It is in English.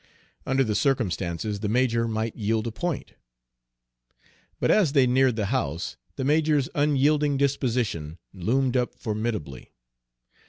Under the circumstances the major might yield a point. But as they neared the house the major's unyielding disposition loomed up formidably.